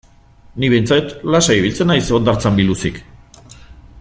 Ni behintzat lasai ibiltzen naiz hondartzan biluzik.